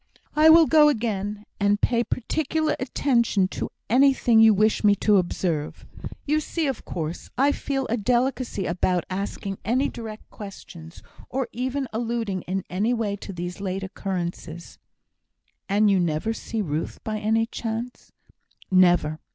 "I will go again, and pay particular attention to anything you wish me to observe. You see, of course, I feel a delicacy about asking any direct questions, or even alluding in any way to these late occurrences." "And you never see Ruth by any chance?" "Never!"